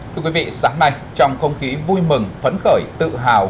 thưa quý vị sáng nay trong không khí vui mừng phấn khởi tự hào